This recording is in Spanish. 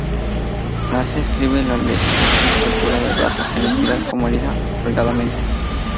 La 'c' describe la estructura del brazo en espiral como herida holgadamente.